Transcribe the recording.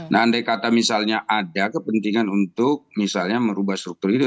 nah andai kata misalnya ada kepentingan untuk misalnya merubah struktur itu